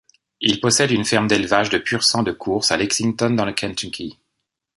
Il possède une ferme d'élevage de pur-sang de courses à Lexington dans le Kentucky.